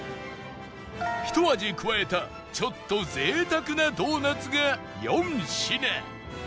ひと味加えたちょっと贅沢なドーナツが４品